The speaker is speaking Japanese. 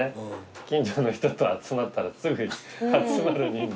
近所の人と集まったらすぐ集まる人数。